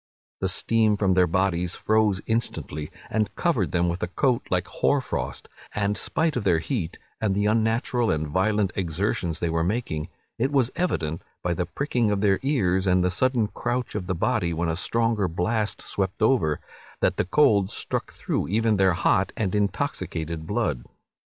The steam from their bodies froze instantly, and covered them with a coat like hoar frost; and spite of their heat, and the unnatural and violent exertions they were making, it was evident, by the pricking of their ears, and the sudden crouch of the body when a stronger blast swept over, that the cold struck through even their hot and intoxicated blood.